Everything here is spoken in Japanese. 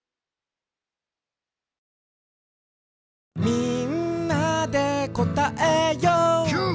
「みんなでこたえよう」キュー！